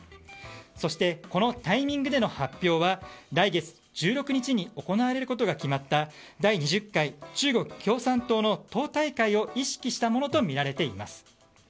そしてこのタイミングでの発表は来月１６日に行われることが決まった第２０回中国共産党の党大会を意識したものとみられています。